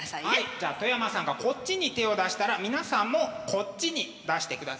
じゃあ外山さんがこっちに手を出したら皆さんもこっちに出してくださいね。